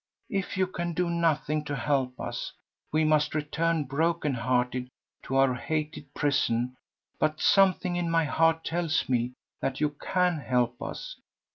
If you can do nothing to help us, we must return broken hearted to our hated prison; but something in my heart tells me that you can help us.